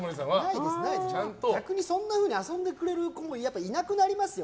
逆に、そんなふうに遊んでくれる子もいなくなりますよ。